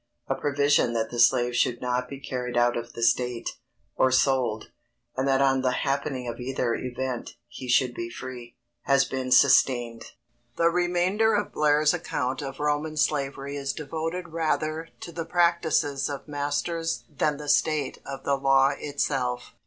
A provision that the slave should not be carried out of the state, or sold, and that on the happening of either event he should be free, has been sustained. The remainder of Blair's account of Roman slavery is devoted rather to the practices of masters than the state of the law itself.